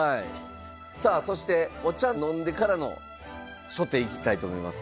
さあそしてお茶飲んでからの初手行きたいと思います。